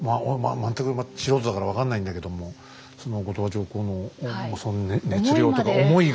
全く素人だから分かんないんだけどもその後鳥羽上皇の熱量とか思いが。